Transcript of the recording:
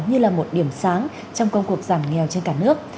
như là một điểm sáng trong công cuộc giảm nghèo trên cả nước